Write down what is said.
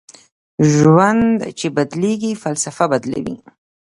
ژوند چې بدلېږي فلسفه بدلوي